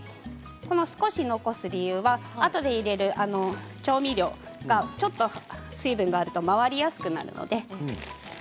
この少し残す理由はあとで入れる調味料がちょっと水分があると回りやすくなるので。